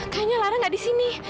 kayaknya lara gak di sini